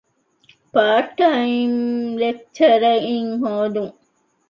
ޕާރޓްޓައިމް ލެކްޗަރަރ އިން ހޯދުން